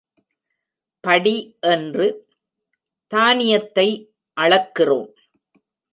படி என்று தானியத்தை அளக்கிறோம்.